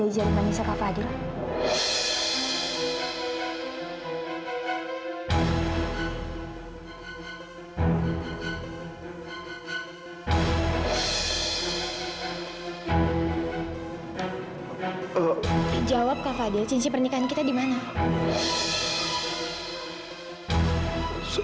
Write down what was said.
sampai jumpa di video selanjutnya